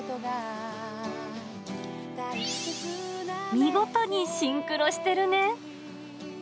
見事にシンクロしてるね。